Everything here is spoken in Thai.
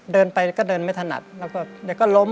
เดินไปก็เดินไม่ถนัดแล้วก็ล้ม